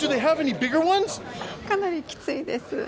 かなりきついです。